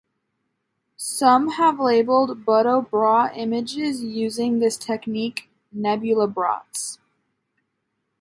Some have labelled Buddhabrot images using this technique "Nebulabrots".